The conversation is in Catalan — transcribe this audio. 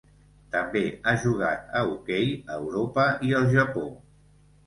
També ha jugat a hoquei a Europa i el Japó.